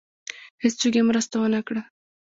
هېڅوک یې مرسته ونه کړه.